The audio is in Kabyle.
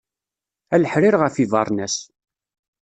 A leḥrir ɣef yibernas.